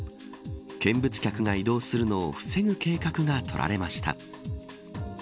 見物客が移動するのを防ぐ計画が取られました。